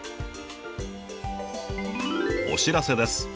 お知らせです。